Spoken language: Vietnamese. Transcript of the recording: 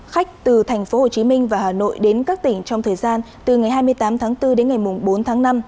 khách từ thành phố hồ chí minh và hà nội đến các tỉnh trong thời gian từ ngày hai mươi tám tháng bốn đến ngày bốn tháng năm